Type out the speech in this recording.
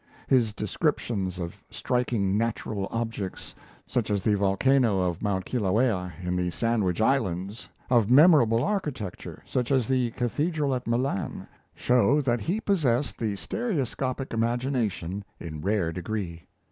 His descriptions, of striking natural objects, such as the volcano of Mount Kilauea in the Sandwich Islands, of memorable architecture, such as the cathedral at Milan, show that he possessed the "stereoscopic imagination" in rare degree.